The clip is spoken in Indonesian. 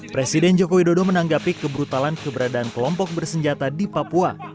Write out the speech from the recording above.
presiden joko widodo menanggapi kebrutalan keberadaan kelompok bersenjata di papua